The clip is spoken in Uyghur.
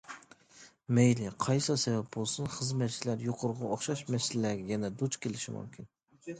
مەيلى قايسىلا سەۋەب بولسۇن، خىزمەتچىلەر يۇقىرىقىغا ئوخشاش مەسىلىلەرگە يەنە دۇچ كېلىشى مۇمكىن.